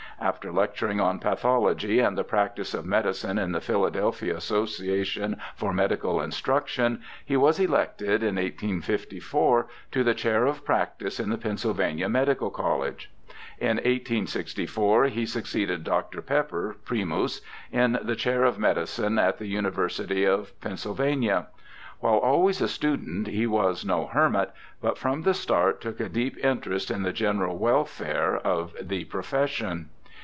After lecturing on pathology and the practice of medicine in the Phila delphia Association for Medical Instruction, he was elected, in 1854, to the Chair of Practice in the Pennsyl vania Medical College. In 1864 he succeeded Dr. Pepper (primus) in the Chair of Medicine at the Uni versity of Pennsylvania. While always a student, he was no hermit, but from the start took a deep interest 240 BIOGRAPHICAL ESSAYS in the general welfare of the profession.